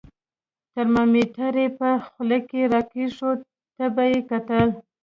ترمامیتر یې په خوله کې را کېښود، تبه یې کتل.